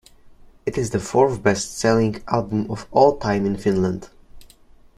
It is the fourth-best-selling album of all-time in Finland.